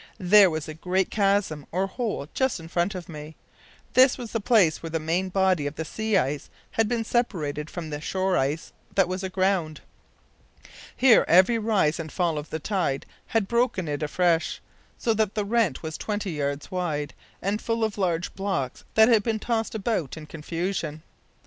There was a great chasm or hole just in front of me. This was the place where the main body of the sea ice had been separated from the shore ice that was aground. Here every rise and fall of the tide had broken it afresh, so that the rent was twenty yards wide, and full of large blocks that had been tossed about in confusion.